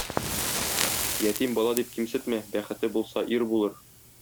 Ятим бала дип кимсетмә, бәхете булса ир булыр.